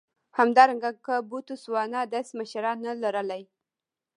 همدارنګه که بوتسوانا داسې مشران نه لر لای.